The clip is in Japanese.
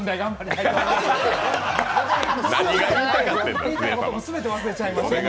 すみません、言いたいことも全て忘れちゃいました。